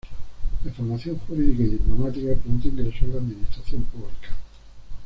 De formación jurídica y diplomática, pronto ingresó en la administración pública.